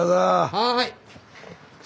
はい！